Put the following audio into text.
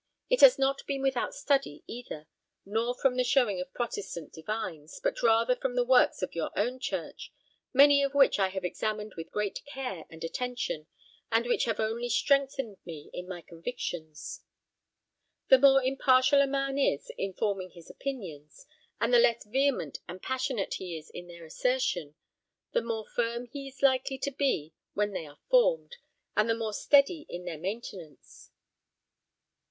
It has not been without study either, nor from the showing of Protestant divines, but rather from the works of your own church, many of which I have examined with great care and attention, and which have only strengthened me in my convictions. The more impartial a man is in forming his opinions, and the less vehement and passionate he is in their assertion, the more firm he is likely to be when they are formed, and the more steady in their maintenance."